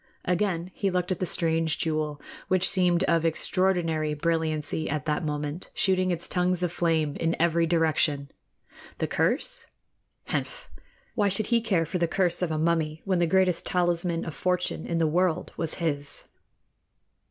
Again he looked at the strange jewel, which seemed of extraordinary brilliancy at that moment, shooting its tongues of flame in every direction. The curse? Henf! Why should he care for the curse of a mummy, when the greatest talisman of fortune in the world was his?